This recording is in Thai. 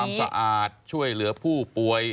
ความสะอาดช่วยเหลือผู้ป่วย